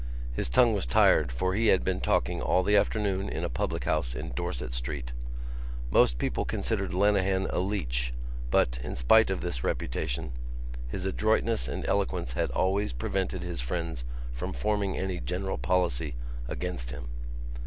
His tongue was tired for he had been talking all the afternoon in a public house in Dorset Street. Most people considered Lenehan a leech but, in spite of this reputation, his adroitness and eloquence had always prevented his friends from forming any general policy against him.